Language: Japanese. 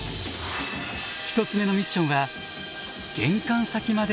１つ目のミッションは「玄関先まで避難」。